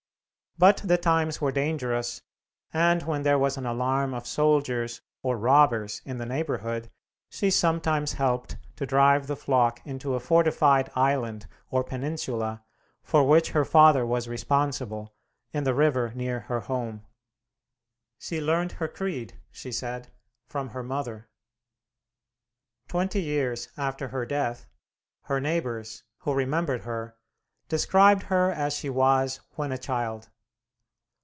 But the times were dangerous, and when there was an alarm of soldiers or robbers in the neighborhood, she sometimes helped to drive the flock into a fortified island or peninsula, for which her father was responsible, in the river near her home. She learned her creed, she said, from her mother. Twenty years after her death, her neighbors, who remembered her, described her as she was when a child.